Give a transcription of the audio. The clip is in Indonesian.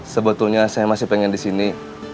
sebetulnya saya masih pengen di sini